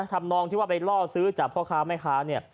ทำนองที่ว่าไปล่อซื้อจากพ่อค้าแม่ค้าเนี่ย